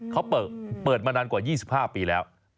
เขาเปิดมานานกว่า๒๕ปีแล้ว